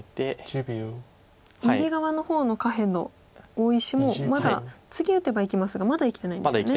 右側の方の下辺の大石もまだ次打てば生きますがまだ生きてないんですよね。